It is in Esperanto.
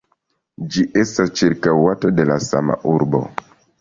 Ĝi estas ĉirkaŭata de la sama urbo.